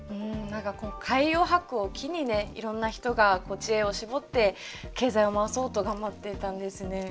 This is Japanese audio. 何か海洋博を機にいろんな人が知恵を絞って経済を回そうと頑張っていたんですね。